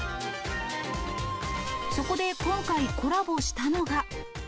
そこで今回、コラボしたのが。